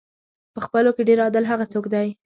په خپلو کې ډېر عادل هغه څوک دی.